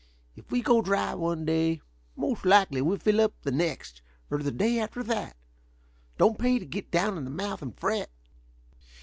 If we go dry one day, most likely we fill up the next, or the day after that. Don't pay to get down in the mouth and fret."